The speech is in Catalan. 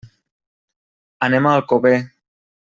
Anem a Alcover.